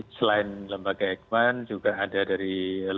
selain lembaga eijkman juga ada dari lembaga